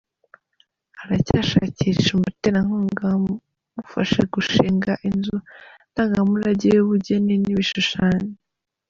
Aracyashakisha umuterankunga wamufasha gushinga inzu ndangamurage y’ubugeni n’ibishushanyo.